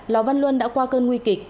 lò văn luân đã qua cơn nguy kịch